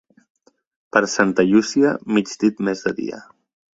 Per Santa Llúcia, mig dit més de dia.